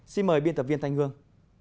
xin mời biên tập viên thanh hương